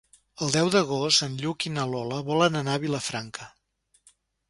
El deu d'agost en Lluc i na Lola volen anar a Vilafranca.